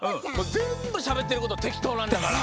ぜんぶしゃべってることてきとうなんだから。